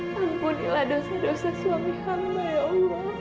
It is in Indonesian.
mampuni dosa dosa suami kamu ya allah